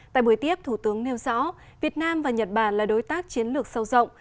tại buổi tiếp thủ tướng nêu rõ việt nam và nhật bản là đối tác chiến lược sâu rộng